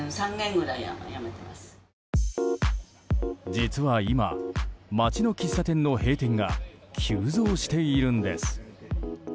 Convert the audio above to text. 実は今、街の喫茶店の閉店が急増しているんです。